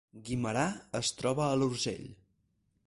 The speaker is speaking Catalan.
Guimerà es troba a l’Urgell